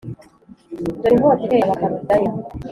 Dore inkota iteye Abakaludaya